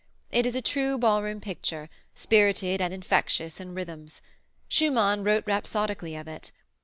It is a true ballroom picture, spirited and infectious in rhythms. Schumann wrote rhapsodically of it.